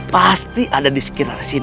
pasti ada di sekitar sini